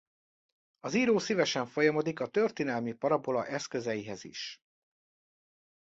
Az író szívesen folyamodik a történelmi parabola eszközeihez is.